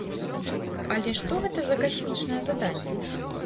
Але што гэта за касмічнае заданне?